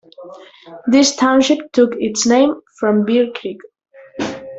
This township took its name from Bear Creek.